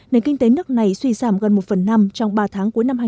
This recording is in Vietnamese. nền kinh tế nước này suy giảm gần một phần năm trong ba tháng cuối năm hai nghìn hai mươi